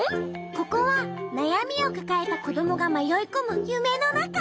ここはなやみをかかえたこどもがまよいこむゆめのなか。